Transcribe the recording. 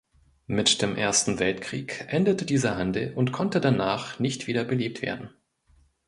Mit dem Ersten Weltkrieg endete dieser Handel und konnte danach nicht wieder belebt werden.